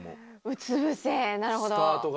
うつぶせなるほど。